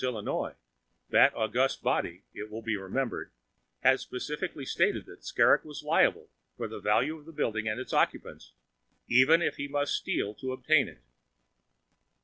Illinois_, that august body, it will be remembered, had specifically stated that Skrrgck was liable for the value of the building and its occupants, "even if he must steal to obtain it."